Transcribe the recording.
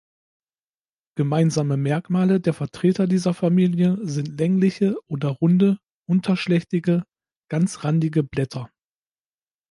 Gemeinsame Merkmale der Vertreter dieser Familie sind längliche oder runde, unterschlächtige, ganzrandige Blätter.